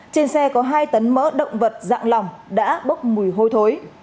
trên xe có hai tấn mỡ động vật dạng lỏng đã bốc mùi hôi thối